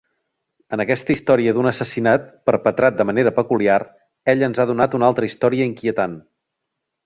En aquesta història d'un assassinat perpetrat de manera peculiar, ella ens ha donat una altra història inquietant.